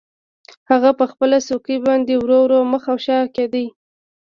هغه په خپله څوکۍ باندې ورو ورو مخ او شا کیده